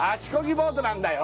ボートなんだよ